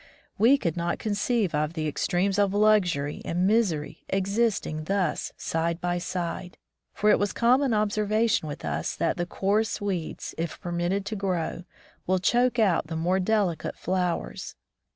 We could not conceive of the extremes of luxury 147 From the Deep Woods to Civilization and misery existing thus side by side, for it was common observation with us that the coarse weeds, if permitted to grow, will choke out the more delicate flowers.